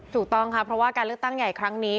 ถูกต้องค่ะเพราะว่าการเลือกตั้งใหญ่ครั้งนี้